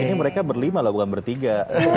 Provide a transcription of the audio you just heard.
ini mereka berlima lah bukan bertiga